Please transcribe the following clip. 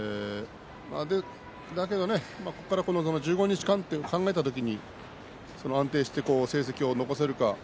だけど、ここから１５日間と考えた時に安定して成績を残せるか。